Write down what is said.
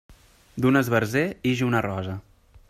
D'un esbarzer ix una rosa.